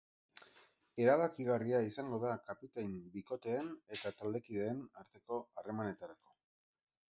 Erabakigarria izango da kapitain bikoteen eta taldekideen arteko harremanetarako.